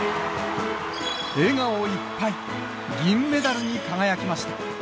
笑顔いっぱい、銀メダルに輝きました。